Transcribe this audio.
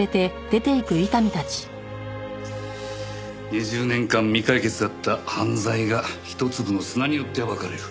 ２０年間未解決だった犯罪が一粒の砂によって暴かれる。